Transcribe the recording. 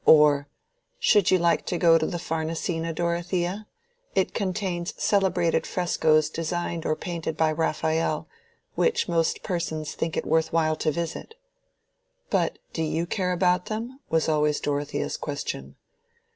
Or, "Should you like to go to the Farnesina, Dorothea? It contains celebrated frescos designed or painted by Raphael, which most persons think it worth while to visit." "But do you care about them?" was always Dorothea's question.